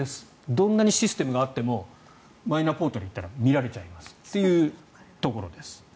どんなにシステムがあってもマイナポータルに行ったら見られちゃいますというところです。